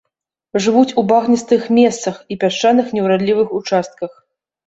Жывуць у багністых месцах і пясчаных неўрадлівых участках.